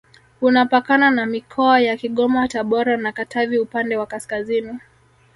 Unapakana na mikoa ya Kigoma Tabora na Katavi upande wa kaskazini